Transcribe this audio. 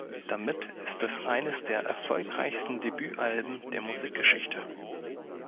Damit ist es eines der erfolgreichsten Debütalben der Musikgeschichte.